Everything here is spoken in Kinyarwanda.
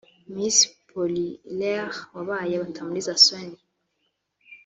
Miss Polulaire wabaye Batamuliza Sonia